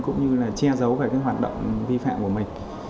cũng như là che giấu về cái hoạt động vi phạm của mình